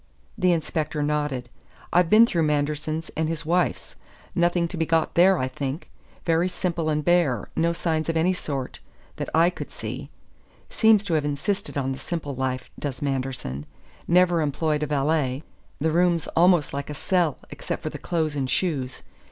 The inspector nodded. "I've been through Manderson's and his wife's. Nothing to be got there, I think. Very simple and bare, no signs of any sort that I could see. Seems to have insisted on the simple life, does Manderson. Never employed a valet. The room's almost like a cell, except for the clothes and shoes.